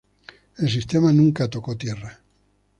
El sistema nunca tocó tierra.